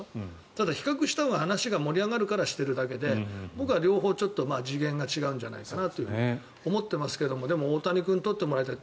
ただ、比較したほうが話が盛り上がるからしてるだけで僕は両方ちょっと次元が違うんじゃないかなと思ってますがでも、大谷君に取ってもらいたい。